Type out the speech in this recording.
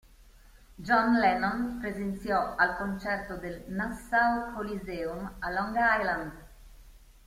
John Lennon presenziò al concerto del Nassau Coliseum a Long Island.